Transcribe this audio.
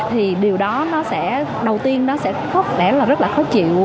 thì điều đó nó sẽ đầu tiên nó sẽ có lẽ là rất là khó chịu